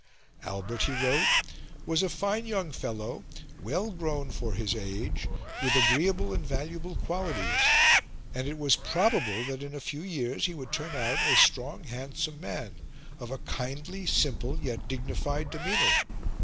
Albert, he wrote, "was a fine young fellow, well grown for his age, with agreeable and valuable qualities; and it was probable that in a few years he would turn out a strong handsome man, of a kindly, simple, yet dignified demeanour.